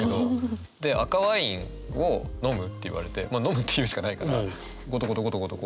で「赤ワインを飲む？」って言われてもう「飲む」って言うしかないからゴトゴトゴトゴト